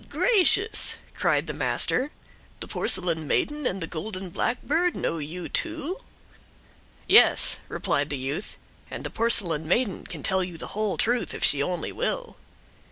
"Good gracious!" cried the master." The porcelain maiden and the golden blackbird know you too?" "Yes," replied the youth, "and the porcelain maiden can tell you the whole truth if she only will."